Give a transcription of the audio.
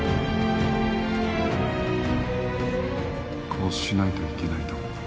こうしないといけないと思って。